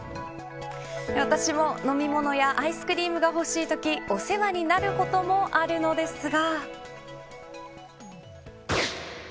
私も飲み物やアイスクリームが欲しいときお世話になることもあるのですが。